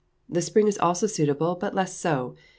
The spring is also suitable, but less so.